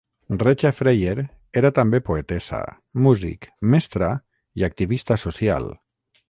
Recha Freier era també poetessa, músic, mestra i activista social.